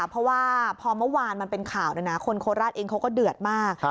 เพราะว่าพอเมื่อวานมันเป็นข่าวคนโคราชเองเขาก็เดือดมาก